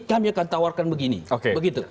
kami akan tawarkan begini